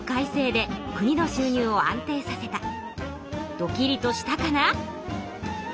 ドキリとしたかな？